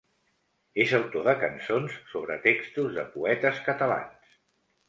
És autor de cançons sobre textos de poetes catalans.